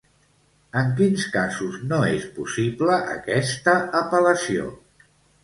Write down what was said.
En quins casos no és possible aquesta apel·lació?